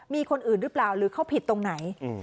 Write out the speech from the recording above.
มีคนอื่นหรือเปล่าหรือเขาผิดตรงไหน